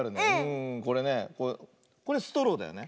これねこれストローだよね。